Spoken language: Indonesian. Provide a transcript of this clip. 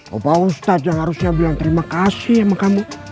bapak ustadz yang harusnya bilang terima kasih sama kamu